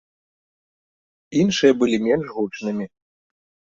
Іншыя былі менш гучнымі.